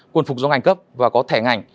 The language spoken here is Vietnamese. quần phục do ngành cấp và có thẻ ngành